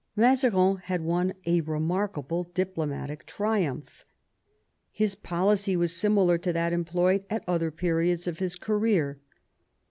Mazarin had won a remarkable diplo matic triumph. His policy was similar to that employed at other periods of his career.